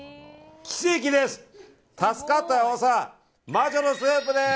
奇跡です！